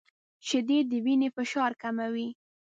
• شیدې د وینې فشار کموي.